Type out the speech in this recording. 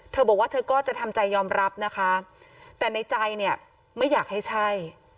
เธอบอกว่าเธอก็จะทำใจยอมรับนะคะแต่ในใจเนี่ยไม่อยากให้ใช่